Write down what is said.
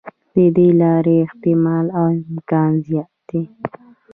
د دې لارې احتمال او امکان زیات دی.